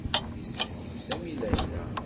Yessehyef Sami Layla.